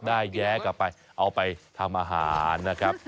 แย้กลับไปเอาไปทำอาหารนะครับ